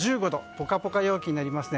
ポカポカ陽気になりますね。